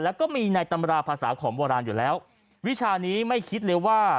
แล้วก็มีในตำราภาษาของโบราณอยู่แล้ววิชานี้ไม่คิดเลยว่า